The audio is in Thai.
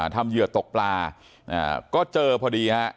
ทำเหยื่อตกปลาก็เจอพอดีนะครับ